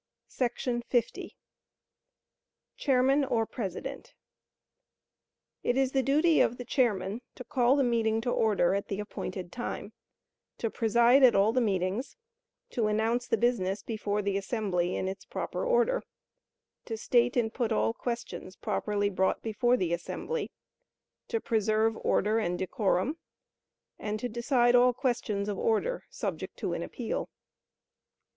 50. Chairman or President. It is the duty of the chairman to call the meeting to order at the appointed time, to preside at all the meetings, to announce the business before the assembly in its proper order, to state and put all questions properly brought before the assembly, to preserve order and decorum, and to decide all questions of order (subject to an appeal).